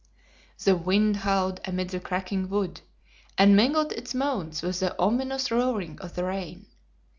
The wind howled amid the cracking wood, and mingled its moans with the ominous roaring of the rain.